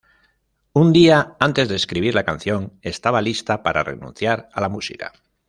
Un día antes de escribir la canción estaba lista para renunciar a la música.